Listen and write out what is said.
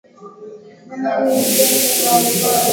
Amani upendo na umoja,